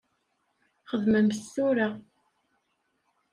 Xedmem-t tura.